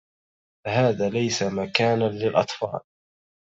هذا ليس مكانا للأطفال.